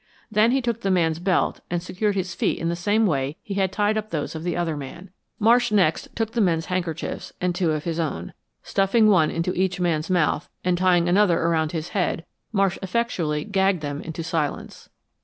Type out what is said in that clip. Then he took the man's belt and secured his feet in the same way he had tied up those of the other man. Marsh next took the men's handkerchiefs and two of his own. Stuffing one into each man's mouth, and tying another around his head, Marsh effectually gagged them into silence.